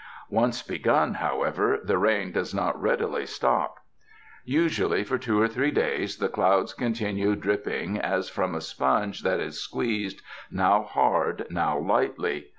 Once begun, however, the rain does not readily stop. Usually 269 UNDER THE SKY IN CALIFORNIA for two or three days the clouds continue dripping as from a sponge that is squeezed now hard, now lightly.